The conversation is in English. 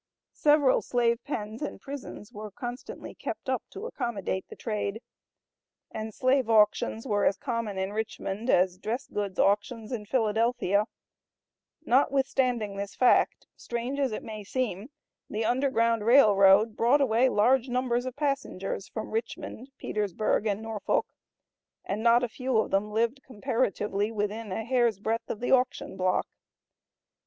Several slave pens and prisons were constantly kept up to accommodate the trade. And slave auctions were as common in Richmond as dress goods auctions in Philadelphia; notwithstanding this fact, strange as it may seem, the Underground Rail Road brought away large numbers of passengers from Richmond, Petersburg and Norfolk, and not a few of them lived comparatively within a hair's breadth of the auction block.